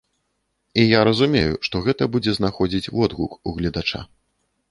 І я разумею, што гэта будзе знаходзіць водгук у гледача.